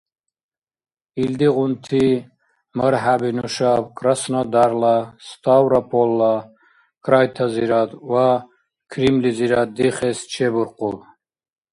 Илдигъунти мархӀяби нушаб Краснодарла, Ставропольла крайтазирад ва Крымлизирад дихес чебуркъуб.